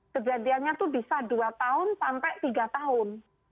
kejadiannya itu bisa dua tahun sampai tiga tahun